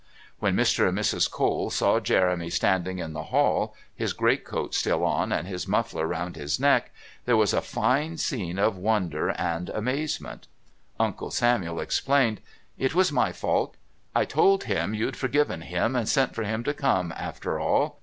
When Mr. and Mrs. Cole saw Jeremy standing in the hall, his great coat still on and his muffler round his neck, there was a fine scene of wonder and amazement. Uncle Samuel explained. "It was my fault. I told him you'd forgiven him and sent for him to come, after all.